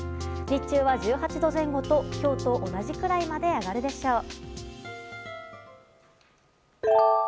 日中は１８度前後と今日と同じくらいまで上がるでしょう。